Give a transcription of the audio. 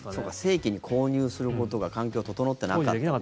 正規に購入することが環境、整ってなかった。